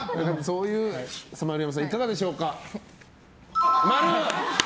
丸山さん、いかがでしょうか。